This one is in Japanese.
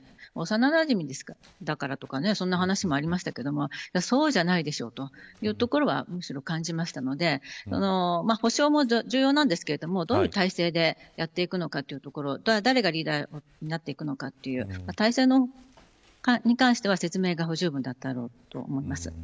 幼なじみだからとかそんな話もありましたがそうじゃないでしょというところはむしろ感じましたので補償も重要なんですけどどういう体制でやっていくのかというところ誰がリーダーになるのかという体制に関しては説明が不十分だったと思います。